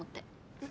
え？